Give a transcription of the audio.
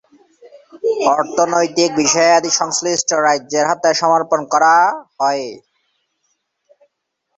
অর্থনৈতিক বিষয়াদি সংশ্লিষ্ট রাজ্যের হাতে সমর্পণ করা হয়য়।